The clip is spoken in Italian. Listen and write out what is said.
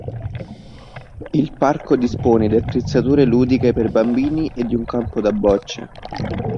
Il parco dispone di attrezzature ludiche per bambini e di un campo da bocce.